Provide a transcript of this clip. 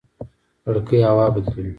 کړکۍ هوا بدلوي